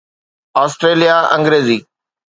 Australia Angrezi